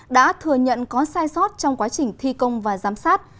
đã thừa nhận có sai sót trong quá trình thi công và giám sát